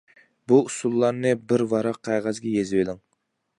بۇ ئۇسۇللارنى بىر ۋاراق قەغەزگە يېزىۋېلىڭ!